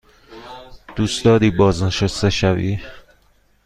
دوست داری بازنشسته شوی؟